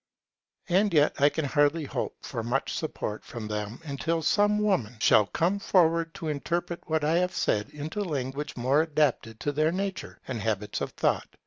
And yet I can hardly hope for much support from them until some woman shall come forward to interpret what I have said into language more adapted to their nature and habits of thought.